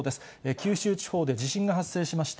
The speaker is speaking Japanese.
九州地方で地震が発生しました。